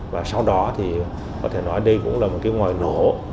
và sau đó thì có thể nói đây cũng là một cái ngoài nổ